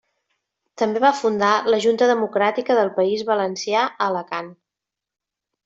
També va fundar la Junta Democràtica del País Valencià a Alacant.